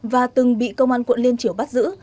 và từng bị công an quận liên triều bắt giữ